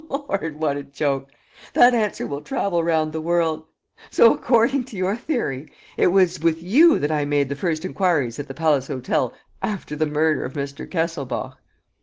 Lord, what a joke! That answer will travel round the world. So, according to your theory, it was with you that I made the first enquiries at the Palace Hotel after the murder of Mr. Kesselbach?